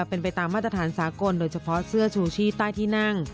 เป็นไปตามมาตรฐานสากลโดยเฉพาะเสื้อชูชีพใต้ที่นั่ง